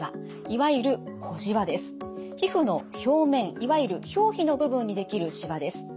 いわゆる皮膚の表面いわゆる表皮の部分にできるしわです。